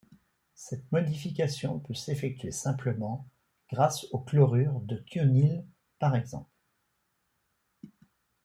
Cette modification peut s'effectuer simplement, grâce au chlorure de thionyle, par exemple.